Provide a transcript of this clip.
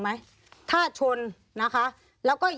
มีความรู้สึกว่ามีความรู้สึกว่า